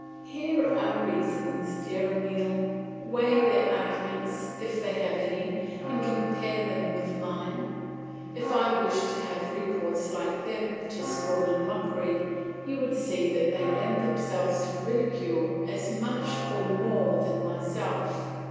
Here are reasons, dear Emile; weigh their arguments if they have any, and compare them with mine. If I wished to have recourse like them to scorn and mockery, you would see that they lend themselves to ridicule as much or more than myself.